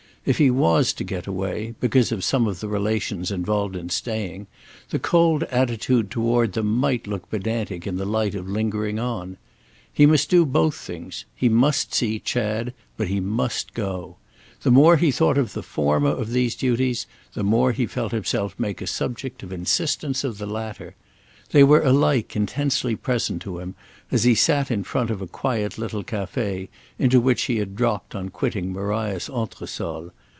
If he was to get away because of some of the relations involved in staying, the cold attitude toward them might look pedantic in the light of lingering on. He must do both things; he must see Chad, but he must go. The more he thought of the former of these duties the more he felt himself make a subject of insistence of the latter. They were alike intensely present to him as he sat in front of a quiet little café into which he had dropped on quitting Maria's entresol.